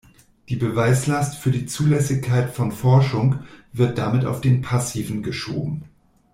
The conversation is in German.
Die Beweislast für die Zulässigkeit von Forschung wird damit auf den Passiven geschoben.